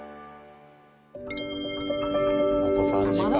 あと３時間。